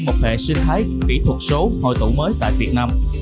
một hệ sinh thái kỹ thuật số hồi tụ mới tại việt nam